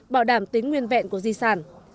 bảo đảm tính nguyên vẹn của di sản